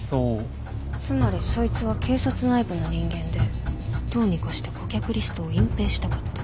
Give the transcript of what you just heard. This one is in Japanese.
つまりそいつは警察内部の人間でどうにかして顧客リストを隠蔽したかった